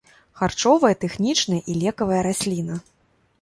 Харчовая, тэхнічная і лекавая расліна.